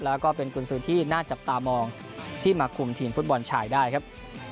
แล้วก็เป็นกุญสือที่น่าจับตามองที่มาคุมทีมฟุตบอลชายได้ครับ